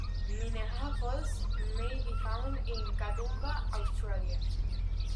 Minnehaha Falls may be found in Katoomba, Australia.